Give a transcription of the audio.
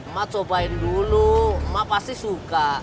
mak cobain dulu mak pasti suka